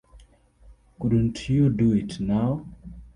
Couldn't you do it now?